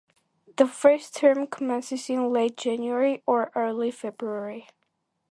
The first term commences in late January or early February.